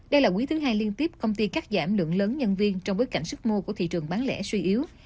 đây là quý thứ hai liên tiếp công ty cắt giảm lượng lớn nhân viên trong bối cảnh sức mua của thị trường bán lẻ suy yếu